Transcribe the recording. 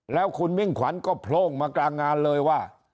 แล้วคุณมิ่งขวัญก็โพร่งมากลางงานเลยว่า